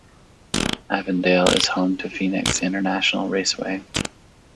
Avondale is home to Phoenix International Raceway.